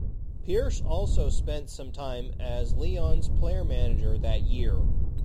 Pierce also spent some time as Leon's player-manager that year.